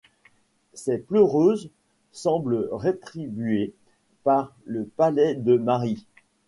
Ces pleureuses semblent rétribuées par le palais de Mari.